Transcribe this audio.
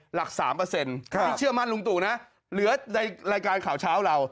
หลัก๓ที่เชื่อมั่นลุงตู่นะเหลือในรายการข่าวเช้าเรา